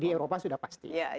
di eropa sudah pasti